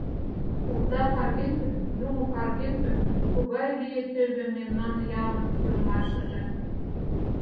Овда карген гын, юмо карген гын — тугай лие тӧвӧ мемнан ялын пӱрымашыже.